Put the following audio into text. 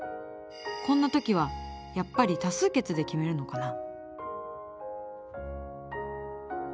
こんな時はやっぱり多数決で決めるのかな？